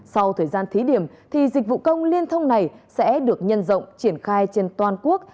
sau thời gian thí điểm thì dịch vụ công liên thông này sẽ được nhân rộng triển khai trên toàn quốc